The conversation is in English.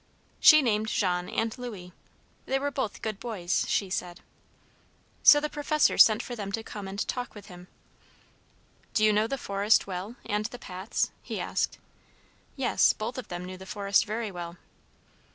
She named Jean and Louis; they were both good boys, she said. So the professor sent for them to come and talk with him. "Do you know the forest well, and the paths?" he asked. Yes, both of them knew the forest very well.